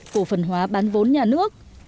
phổ phần hóa bán vốn nhà nước